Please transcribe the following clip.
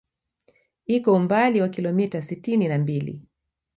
Iko umbali wa kilomita sitini na mbili